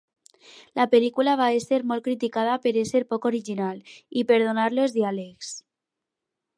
La pel·lícula va ésser molt criticada per ésser poc original, i per donar-los diàlegs.